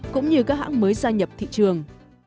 cũng như các hãng mới gia nhập thị trường